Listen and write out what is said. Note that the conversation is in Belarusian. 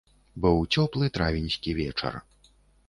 Быў цёплы травеньскі вечар.